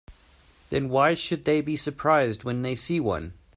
Then why should they be surprised when they see one?